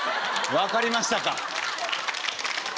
分かりましたか。